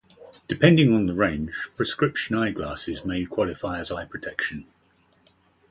Depending on the range, prescription eyeglasses may qualify as eye protection.